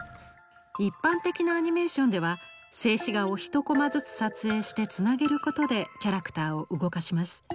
一般的なアニメーションでは静止画を１コマずつ撮影してつなげることでキャラクターを動かします。